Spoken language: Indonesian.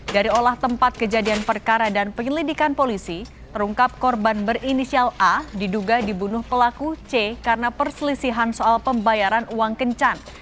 dari olah tempat kejadian perkara dan penyelidikan polisi terungkap korban berinisial a diduga dibunuh pelaku c karena perselisihan soal pembayaran uang kencan